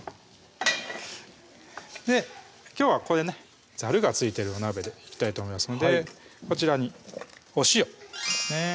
きょうはこういうねざるが付いてるお鍋でいきたいと思いますのでこちらにお塩ですね